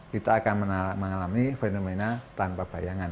kita akan mengalami fenomena tanpa bayangan